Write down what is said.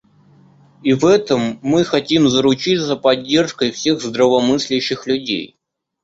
И в этом мы хотим заручиться поддержкой всех здравомыслящих людей.